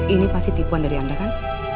ini pasti tipuan dari anda kan